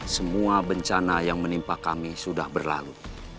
semua bencana yang menimpa kami sudah berlalu